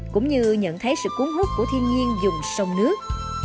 cũng như nhận thấy sự cuốn hút của thiên nhiên dùng sông nước